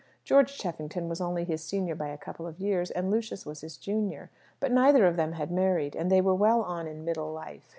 George Cheffington was only his senior by a couple of years, and Lucius was his junior. But neither of them had married; and they were well on in middle life.